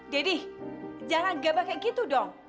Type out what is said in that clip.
deddy jangan gabah kayak gitu dong